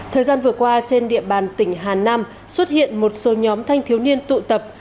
thời gian vừa qua trên địa bàn tỉnh hà nam xuất hiện một số nhóm thanh thiếu niên tụ tập